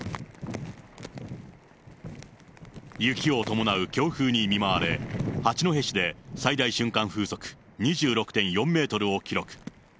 雪を伴う強風に見舞われ、八戸市で最大瞬間風速２６．４メートルを記録。